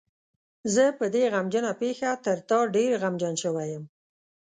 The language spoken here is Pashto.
زه په دې غمجنه پېښه تر تا ډېر غمجن شوی یم.